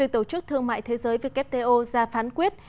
tổ chức thương mại thế giới ra phán quyết